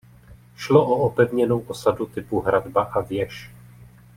Šlo o opevněnou osadu typu Hradba a věž.